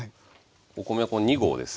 お米これ２合です。